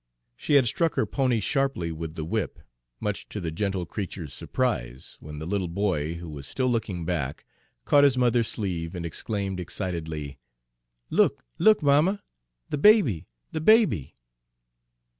She had struck her pony sharply with the whip, much to the gentle creature's surprise, when the little boy, who was still looking back, caught his mother's sleeve and exclaimed excitedly: "Look, look, mamma! The baby, the baby!"